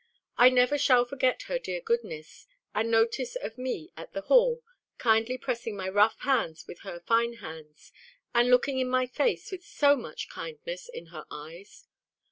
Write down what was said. I never shall forget her dear goodness, and notice of me at the Hall, kindly pressing my rough hands with her fine hands, and looking in my face with so much kindness in her eyes!